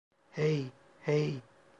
Hey, hey.